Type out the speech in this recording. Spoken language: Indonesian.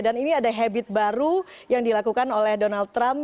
dan ini ada habit baru yang dilakukan oleh donald trump